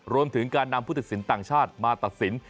รวมถึงการนำผู้ตัดสินต่างชาติมาตัดสิน